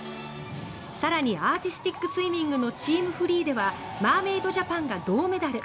更にアーティスティックスイミングのチーム・フリーではマーメイドジャパンが銅メダル。